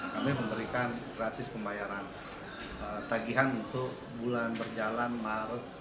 kami memberikan gratis pembayaran tagihan untuk bulan berjalan maret